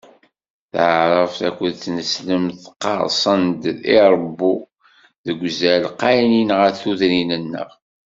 Taɛrabt akked tineslemt qqeṛsen-d i Ṛebbu deg uzal qayli ɣer tudrin-nneɣ.